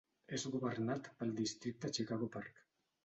És governat pel Districte Chicago Park.